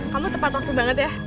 kamu tepat waktu banget ya